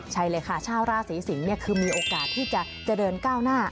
ใช่เลยค่ะชาวราศีสิงศ์คือมีโอกาสที่จะเดินก้าวหน้า